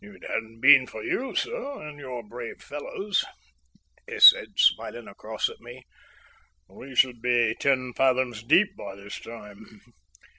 "If it hadn't been for you, sir, and your brave fellows," he said, smiling across at me, "we should be ten fathoms deep by this time.